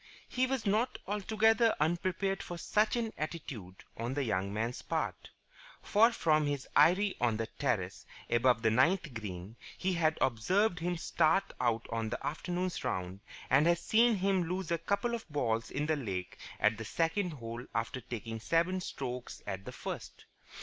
He was not altogether unprepared for such an attitude on the young man's part: for from his eyrie on the terrace above the ninth green he had observed him start out on the afternoon's round and had seen him lose a couple of balls in the lake at the second hole after taking seven strokes at the first.